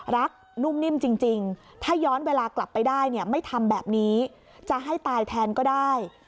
นุ่มนิ่มจริงถ้าย้อนเวลากลับไปได้เนี่ยไม่ทำแบบนี้จะให้ตายแทนก็ได้